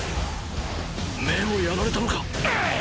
目をやられたのか⁉ハッ！！